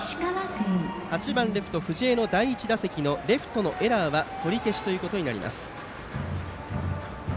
８番レフト、藤江の第１打席のレフトのエラーは取り消しとなります。